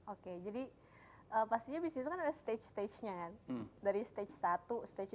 oke jadi pastinya bisnis itu kan ada stage stage nya kan